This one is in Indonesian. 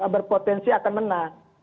berpotensi akan menang